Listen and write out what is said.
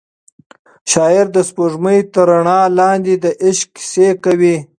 شاعر د سپوږمۍ تر رڼا لاندې د عشق کیسې کوي.